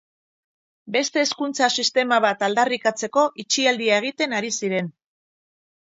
Beste hezkuntza sistema bat aldarrikatzeko itxialdia egiten ari ziren.